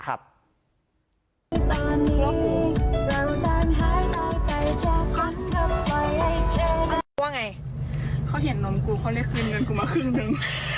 เพราะว่าไงเขาเห็นนมกูเขาเรียกคืนเงินกูมาครึ่งหนึ่ง